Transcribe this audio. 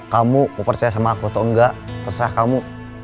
kamu mau percaya sama aku atau enggak terserah kamu